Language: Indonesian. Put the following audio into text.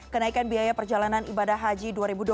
kenaikan biaya perjalanan ibadah haji dua ribu dua puluh